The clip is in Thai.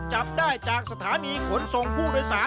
จับได้จากสถานีขนส่งผู้โดยสาร